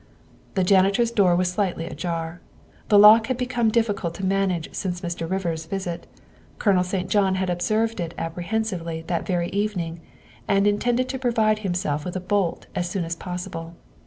The janitor's door was slightly ajar. The lock had be come difficult to manage since Mr. Rivers 's visit. Colonel St. John had observed it apprehensively that very even ing, and intended to provide himself with a bolt as soon as possible.